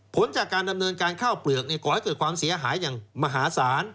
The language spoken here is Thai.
ผลจากการดำเนินการข้าวเปลือกก่อให้เกิดความเสียหายอย่างมหาศาล